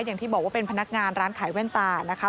อย่างที่บอกว่าเป็นพนักงานร้านขายแว่นตานะคะ